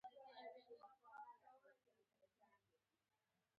په زندان کې د ده د شان وړ دسترخوان نه و.